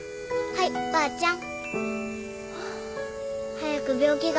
はいばあちゃん。